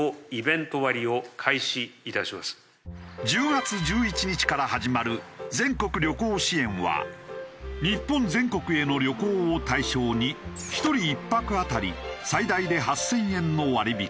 １０月１１日から始まる全国旅行支援は日本全国への旅行を対象に１人１泊当たり最大で８０００円の割引。